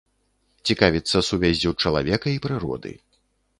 Цікавіцца сувяззю чалавека і прыроды.